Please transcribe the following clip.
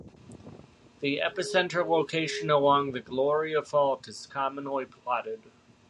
The epicenter location along the Gloria Fault is commonly plotted.